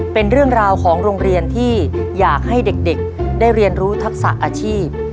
เป็นเรื่องราวของโรงเรียนที่อยากให้เด็กได้เรียนรู้ทักษะอาชีพ